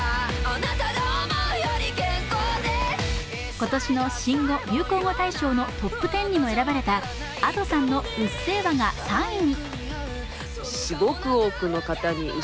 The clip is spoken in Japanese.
今年の新語・流行語大賞のトップ１０にも選ばれたＡｄｏさんの「うっせぇわ」が３位に。